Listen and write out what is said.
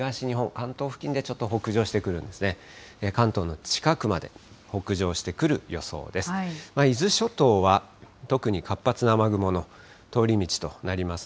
関東の近くまで北上してくる予想です。